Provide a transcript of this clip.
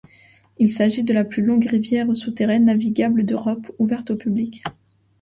Il s'agit de la plus longue rivière souterraine navigable d’Europe ouverte au public.